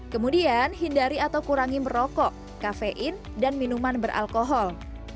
kemudian hindari atau kurangi merokok kafein dan minuman beralkohol